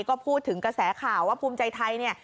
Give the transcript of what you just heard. ก็พูดถึงกระแสข่าวว่าภูมิใจไทยเนี่ย